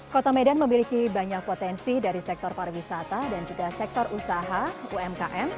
kota medan memiliki banyak potensi dari sektor pariwisata dan juga sektor usaha umkm